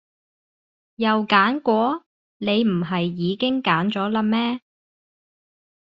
又揀過？你唔係已經揀咗啦咩